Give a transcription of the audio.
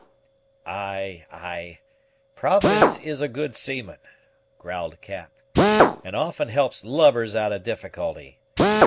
"Ay, ay, Providence is a good seaman," growled Cap, "and often helps lubbers out of difficulty.